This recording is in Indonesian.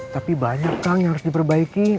tapi banyak kang yang harus diperbaiki